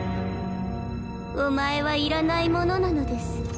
お前はいらないものなのです。